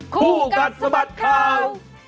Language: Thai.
กันสมัติเข้า